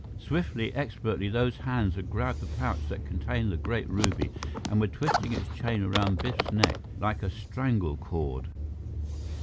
Swiftly, expertly, those hands had grabbed the pouch that contained the great ruby and were twisting its chain around Biff's neck like a strangle cord!